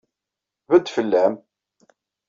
Bedd fell-am!